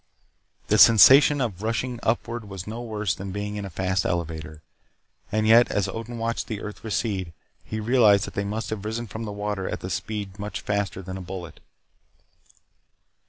The sensation of rushing upward was no worse than being in a fast elevator. And yet, as Odin watched the earth recede, he realized that they must have risen from the water at a speed much faster than a bullet.